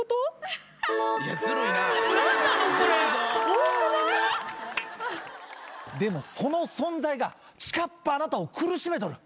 多くない⁉でもその存在がちかっぱあなたを苦しめとる！